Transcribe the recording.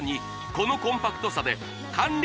このコンパクトさで管理